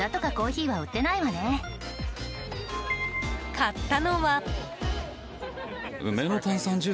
買ったのは。